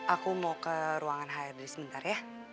aku mau ke ruangan hybri sebentar ya